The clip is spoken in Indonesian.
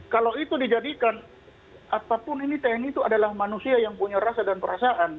kalau itu dijadikan apapun ini tni itu adalah manusia yang punya rasa dan perasaan